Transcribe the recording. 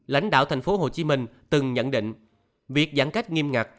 lãnh đạo thành phố hồ chí minh từng nhận định việc giãn cách nghiêm ngặt